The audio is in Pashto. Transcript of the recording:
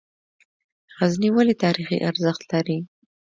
غزني ولې تاریخي ارزښت لري؟